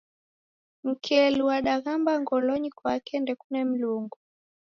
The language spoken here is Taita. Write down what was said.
Mkelu wadaghamba ngolonyi kwake. "ndekune Mlungu".